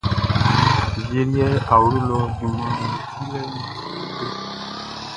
Wie liɛʼn, awlo lɔ junmanʼm be dilɛʼn ti kekle.